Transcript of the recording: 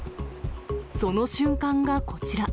その瞬間がこちら。